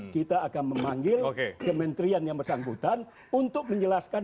kita akan memanggil kementerian yang bersangkutan untuk menjelaskan